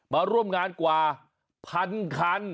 มาร่วมงานกว่าพันคัน